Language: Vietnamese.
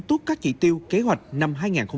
tốt các chỉ tiêu kế hoạch năm hai nghìn hai mươi